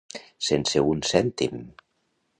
Sense un cèntim.